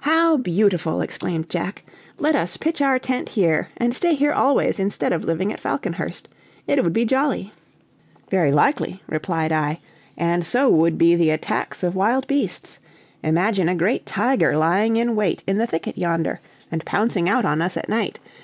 "How beautiful!" exclaimed Jack, "let us pitch our tent here and stay here always instead of living at Falconhurst. It would be jolly." "Very likely," replied I, "and so would be the attacks of wild beasts; imagine a great tiger lying in wait in the thicket yonder, and pouncing out on us at night.